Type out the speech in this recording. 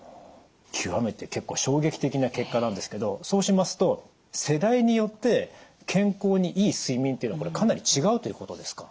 極めて結構衝撃的な結果なんですけどそうしますと世代によって健康にいい睡眠というのはかなり違うということですか？